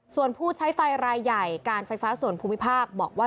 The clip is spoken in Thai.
ส่วนผู้ใช้ไฟรายใหญ่การไฟฟ้าส่วนภูมิภาคบอกว่า